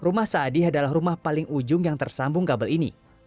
rumah saadi adalah rumah paling ujung yang tersambung kabel ini